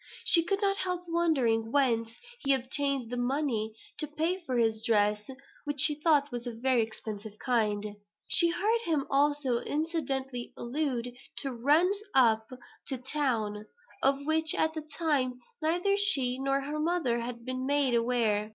She could not help wondering whence he obtained the money to pay for his dress, which she thought was of a very expensive kind. She heard him also incidentally allude to "runs up to town," of which, at the time, neither she nor her mother had been made aware.